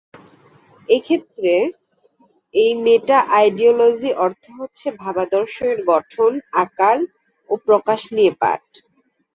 এক্ষেত্রে এই মেটা-আইডিওলজি অর্থ হচ্ছে ভাবাদর্শ এর গঠন, আকার ও প্রকাশ নিয়ে পাঠ।